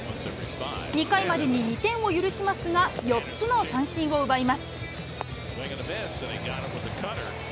２回までに２点を許しますが、４つの三振を奪います。